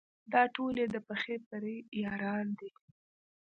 دا ټول یې د پخې پرې یاران دي.